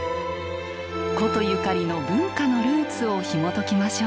古都ゆかりの文化のルーツをひもときましょう。